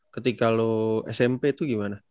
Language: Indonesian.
ketika lo smp itu gimana